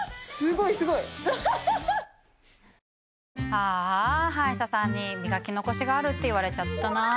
ああ歯医者さんに磨き残しがあるって言われちゃったな。